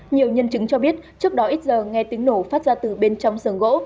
nhiều nhân chứng cho biết trước đó ít giờ nghe tiếng nổ phát ra từ bên trong sườn gỗ